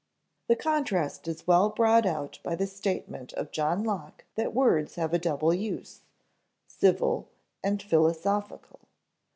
The contrast is well brought out by the statement of John Locke that words have a double use, "civil" and "philosophical."